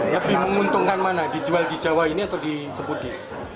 lebih menguntungkan mana dijual di jawa ini atau di sepudi